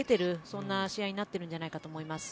そんな試合になっているんじゃないかと思います。